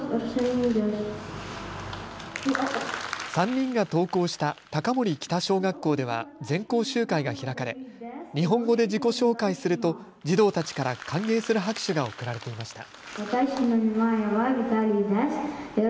３人が登校した高森北小学校では全校集会が開かれ日本語で自己紹介すると児童たちから歓迎する拍手が送られていました。